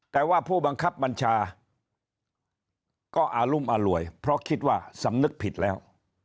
แต่ว่าผู้บังคับบัญชาก็อารุมอร่วยเพราะคิดว่าสำนึกผิดแล้ว